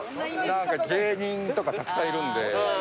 芸人とかたくさんいるんで。